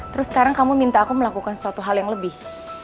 terus sekarang kamu minta aku melakukan suatu hal yang lebih